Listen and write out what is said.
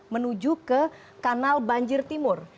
menuju ke kanal banjir timur